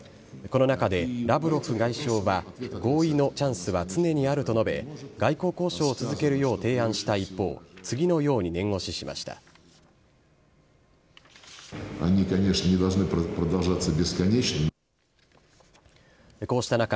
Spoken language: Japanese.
この中で、ラブロフ外相は合意のチャンスは常にあると述べ、外交交渉を続けるよう提案した一方、次のように念押ししました。